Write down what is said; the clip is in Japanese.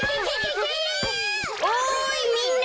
おいみんな。